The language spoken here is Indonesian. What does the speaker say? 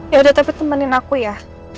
ya udah tapi temenin aku ya